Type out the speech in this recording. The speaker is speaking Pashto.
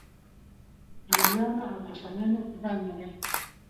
موریانو او کوشانیانو فیلان لرل